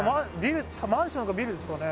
マンションかビルですかね？